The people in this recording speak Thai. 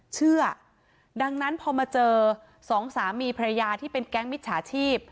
เชื่อดังนั้นพอมาเจอสองสามีภรรยาที่เป็นแก๊งมิจฉาชีพ